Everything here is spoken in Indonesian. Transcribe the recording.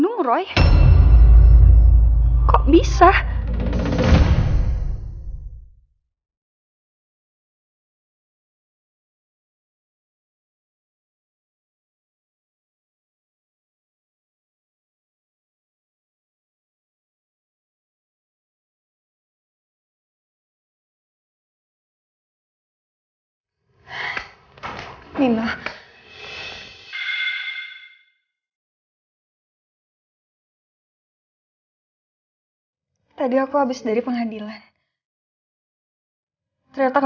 punya sih pak